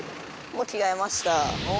もう着替えました。